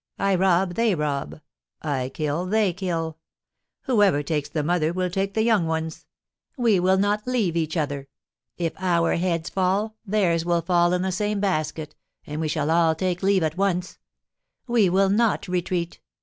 I rob, they rob; I kill, they kill. Whoever takes the mother will take the young ones; we will not leave each other. If our heads fall, theirs will fall in the same basket, and we shall all take leave at once! We will not retreat!